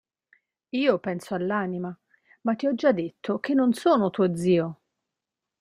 Io penso all'anima, ma ti ho già detto che non sono tuo zio.